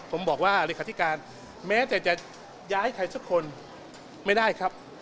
ผมบอกว่าเลขาธิการแม้แต่จะย้ายใครสักคนไม่ได้ครับ